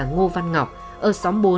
ngô văn ngọc ở xóm bốn